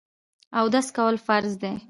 اودس کول فرض دي.